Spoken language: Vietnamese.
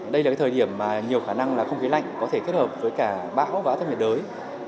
đây là cái thời điểm mà nhiều khả năng là không khí lạnh có thể kết hợp với cả bão và áp thấp nhiệt đới